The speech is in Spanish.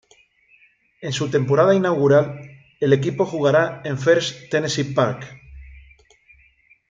En su temporada inaugural el equipo jugará en First Tennessee Park.